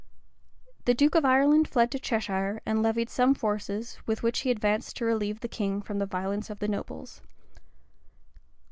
The duke of Ireland fled to Cheshire, and levied some forces, with which he advanced to relieve the king from the violence of the nobles.